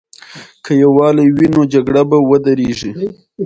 که یووالی وي، نو جګړه به ودریږي.